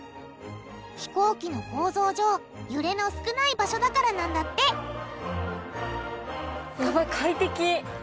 飛行機の構造上揺れの少ない場所だからなんだってやばい快適。